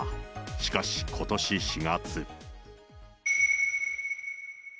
しかしことし４月。